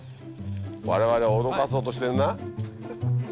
我々を脅かそうとしてんな。